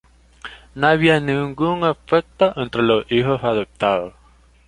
No había ningún efecto entre los hijos adoptados.